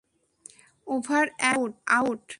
Over and out!